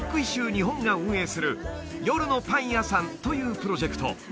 日本が運営する「夜のパン屋さん」というプロジェクト